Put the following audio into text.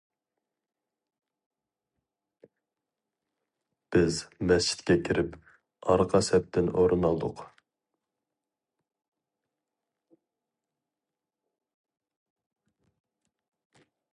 بىز مەسچىتكە كىرىپ ئارقا سەپتىن ئورۇن ئالدۇق.